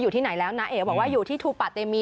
อยู่ที่ไหนแล้วนะเอ๋บอกว่าอยู่ที่ทูปะเตมี